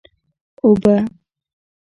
اوبه!